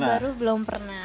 tahun baru belum pernah